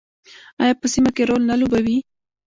آیا په سیمه کې رول نه لوبوي؟